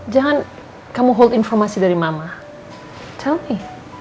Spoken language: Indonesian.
jangan kamu hold informasi dari mama tell me